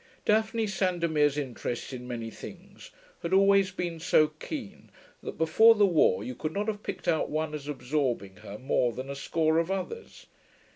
Daphne Sandomir's interest in many things had always been so keen that before the war you could not have picked out one as absorbing her more than a score of others.